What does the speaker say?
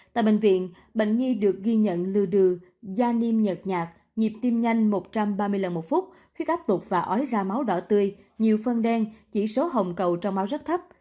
tại bệnh viện bệnh nhi được ghi nhận lừa đường da niêm nhật nhạt nhịp tim nhanh một trăm ba mươi lần một phút huyết áp tụt và ói ra máu đỏ tươi nhiều phân đen chỉ số hồng cầu trong máu rất thấp